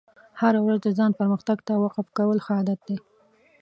هره ورځ د ځان پرمختګ ته وقف کول ښه عادت دی.